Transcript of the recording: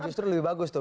justru lebih bagus tuh